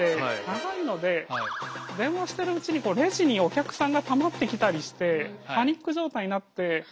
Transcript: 長いので電話してるうちにこうレジにお客さんがたまってきたりしてパニック状態になって。